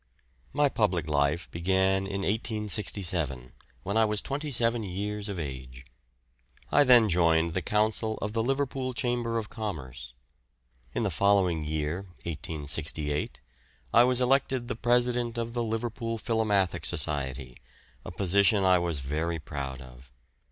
My public life began in 1867, when I was 27 years of age. I then joined the Council of the Liverpool Chamber of Commerce. In the following year (1868) I was elected the President of the Liverpool Philomathic Society, a position I was very proud of.